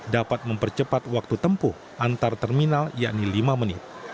dapat mempercepat waktu tempuh antar terminal yakni lima menit